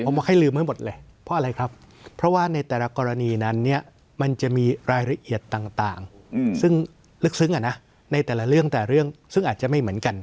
ผมบอกให้ลืมให้หมดเลยเพราะอะไรครับเพราะว่าในแต่ละกรณีนั้นเนี่ยมันจะมีรายละเอียดต่างซึ่งลึกซึ้งในแต่ละเรื่องแต่เรื่องซึ่งอาจจะไม่เหมือนกัน